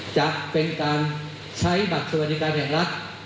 จะเป็นการใช้บัตรสวัสดิการแห่งรัฐ